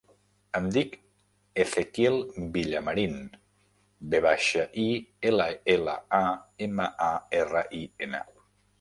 Em dic Ezequiel Villamarin: ve baixa, i, ela, ela, a, ema, a, erra, i, ena.